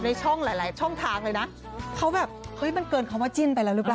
ในช่องหลายหลายช่องทางเลยนะเขาแบบเฮ้ยมันเกินคำว่าจิ้นไปแล้วหรือเปล่า